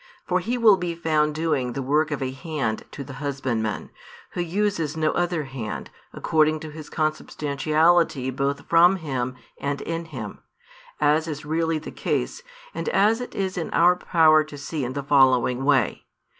For He will be found doing the work of a hand to the Husbandman, Who uses no other hand, according to His Consubstantiality both from Him, and in Him; as is really the case, and as it is in our power to see in the following way.